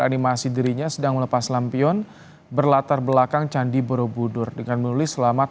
animasi dirinya sedang melepas lampion berlatar belakang candi borobudur dengan menulis selamat